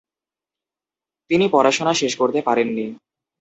তিনি পড়াশোনা শেষ করতে পারেননি।